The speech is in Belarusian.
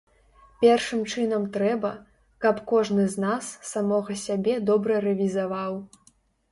Першым чынам трэба, каб кожны з нас самога сябе добра рэвізаваў.